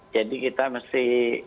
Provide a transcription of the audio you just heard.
jadi kita mesti